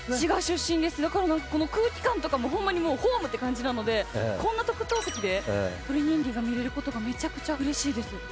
だからこの空気感とかもホンマにもうホームって感じなのでこんな特等席で『鳥人間』が見れることがめちゃくちゃ嬉しいです。